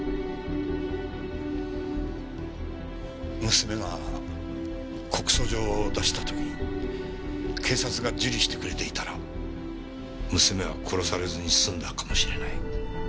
娘が告訴状を出した時警察が受理してくれていたら娘は殺されずに済んだかもしれない。